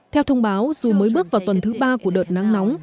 theo thông báo dù mới bước vào tuần thứ ba của đợt nắng nóng